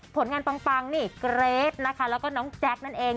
ผลงานปังนี่เกรทนะคะแล้วก็น้องแจ๊คนั่นเอง